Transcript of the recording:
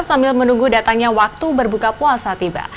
sambil menunggu datangnya waktu berbuka puasa tiba